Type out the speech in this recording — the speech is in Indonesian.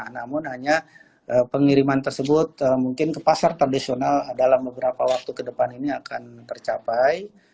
namun hanya pengiriman tersebut mungkin ke pasar tradisional dalam beberapa waktu ke depan ini akan tercapai